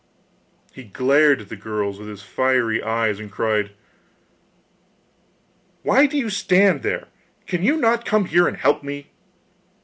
He glared at the girls with his fiery red eyes and cried: 'Why do you stand there? Can you not come here and help me?